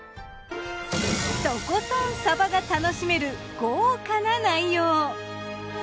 とことんサバが楽しめる豪華な内容。